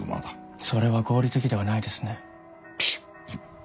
それは合理的ではないですね。